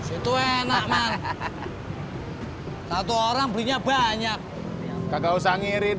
itu enak satu orang belinya banyak kagak usah ngirit